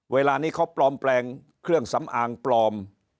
เวลานี้เขาปลอมแปลงเครื่องสำอางปลอม